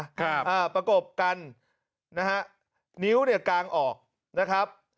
อ่าประกบกันนะฮะนิ้วเนี่ยกางออกนะครับ